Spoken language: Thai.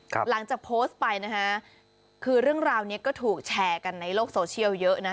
หลังจากโพสต์ไปนะฮะคือเรื่องราวเนี้ยก็ถูกแชร์กันในโลกโซเชียลเยอะนะ